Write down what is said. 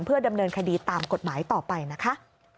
ดำเนินคดีตามกฎหมายต่อไปนะคะ